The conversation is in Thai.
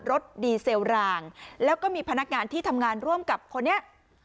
รถดีเซลรางแล้วก็มีพนักงานที่ทำงานร่วมกับคนนี้